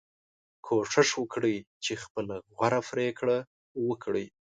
کوشش وکړئ چې خپله غوره پریکړه وکړئ.